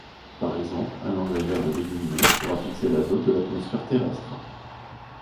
Par exemple, un engrais vert de légumineuse pourra fixer l'azote de l'atmosphère terrestre.